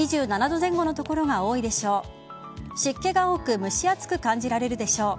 ２７度前後の所が多いでしょう。